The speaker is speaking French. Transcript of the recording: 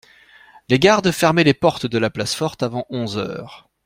Les gardes fermaient les portes de la place forte avant onze heures.